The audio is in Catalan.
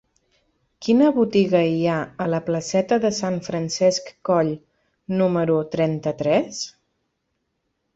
Quina botiga hi ha a la placeta de Sant Francesc Coll número trenta-tres?